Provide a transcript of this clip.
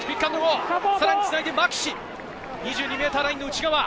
さらにつないでマキシ、２２ｍラインの内側。